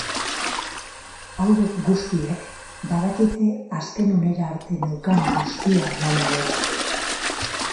Hauek guztiek, badakite azken unera arte neukan guztia eman nuela.